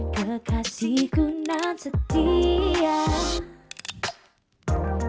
kekasihku dan setia